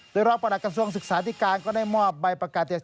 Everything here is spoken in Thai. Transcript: โดยรองประหลักกระทรวงศึกษาธิการก็ได้มอบใบประกาศ